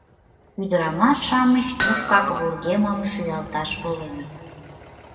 Ӱдырамаш-шамыч тушкак вургемым шӱалташ воленыт.